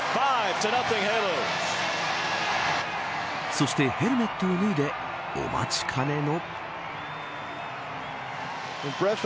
そして、ヘルメットを脱いでお待ちかねの。